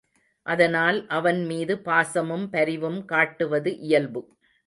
அதனால் அவன்மீது பாசமும் பரிவும் காட்டுவது இயல்பு.